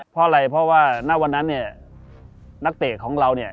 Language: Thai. เพราะอะไรเพราะว่านับวันนั้นนักเตะของเรา